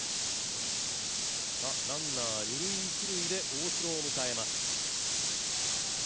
ランナー、二塁一塁で大城を迎えます。